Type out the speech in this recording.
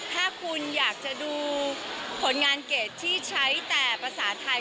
ถ้าคุณอยากจะดูผลงานเกรดที่ใช้แต่ภาษาไทย